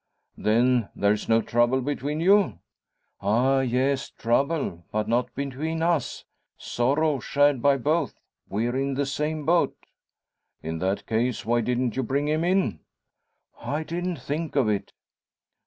"Then there's no trouble between you?" "Ah! yes, trouble; but not between us. Sorrow shared by both. We're in the same boat." "In that case, why didn't you bring him in?" "I didn't think of it."